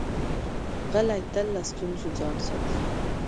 غلی، تل له ستونزو ځان ساتي.